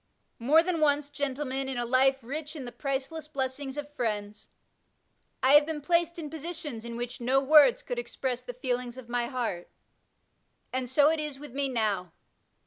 More than once, gentlemen, in a life rich in the priceless blessings of friends, I have been placed in positions in which no words could express the feelings of my heart, and so it is with me now.